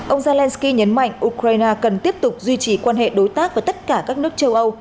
ông zelensky nhấn mạnh ukraine cần tiếp tục duy trì quan hệ đối tác với tất cả các nước châu âu